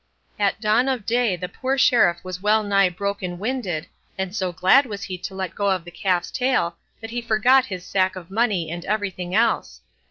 At dawn of day the poor Sheriff was well nigh broken winded, and so glad was he to let go the calf's tail, that he forgot his sack of money and everything else.